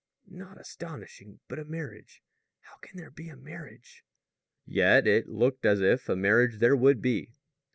"Not astonishing. But a marriage! How can there be a marriage?" Yet it looked as if a marriage there would be.